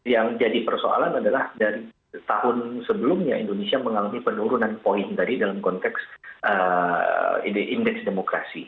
yang jadi persoalan adalah dari tahun sebelumnya indonesia mengalami penurunan poin tadi dalam konteks indeks demokrasi